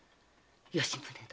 吉宗殿